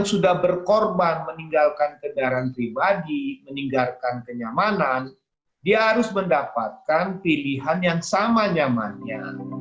kalau sudah berkorban meninggalkan kendaraan pribadi meninggalkan kenyamanan dia harus mendapatkan pilihan yang sama nyamannya